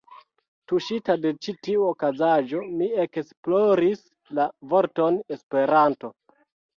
Tuŝita de ĉi tiu okazaĵo, mi ekesploris la vorton ”Esperanto”.